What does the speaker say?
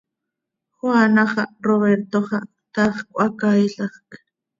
Juana xah, Roberto xah, taax cöhacaailajc.